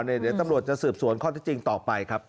เดี๋ยวตำรวจจะสืบสวนข้อที่จริงต่อไปครับ